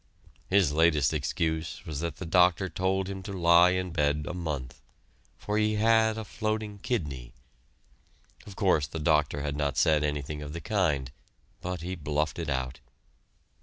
His latest excuse was that the doctor told him to lie in bed a month for he had a floating kidney. Of course the doctor had not said anything of the kind, but he bluffed it out.